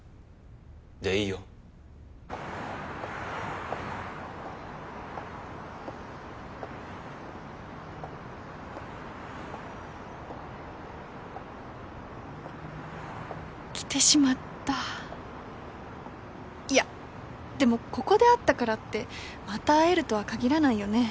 でいいよ来てしまったいやでもここで会ったからってまた会えるとは限らないよね